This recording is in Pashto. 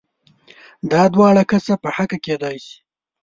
دا دواړه کسه په حقه کېدای شي؟